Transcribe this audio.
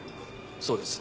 そうです。